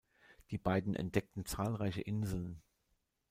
Die beiden entdeckten zahlreiche Inseln.